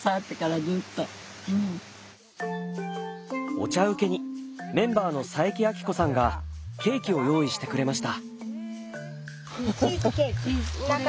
お茶うけにメンバーの佐伯明子さんがケーキを用意してくれました。